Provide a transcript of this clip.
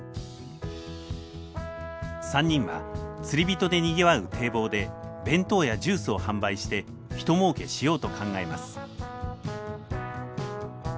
３人は釣り人でにぎわう堤防で弁当やジュースを販売してひともうけしようと考えます。